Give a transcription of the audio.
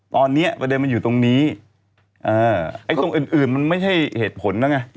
ตอนนี้ประเด็นมันอยู่ตรงนี้ไอ้ตรงอื่นมันไม่ใช่เหตุผลนะไง